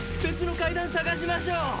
別の階段探しましょう。